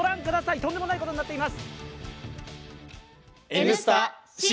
とんでもないことになっています。